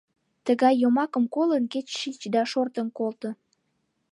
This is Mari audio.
Тыгай йомакым колын, кеч шич да шортын колто.